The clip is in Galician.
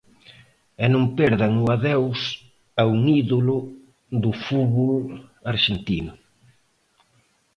E non perdan o adeus a un ídolo do fútbol arxentino.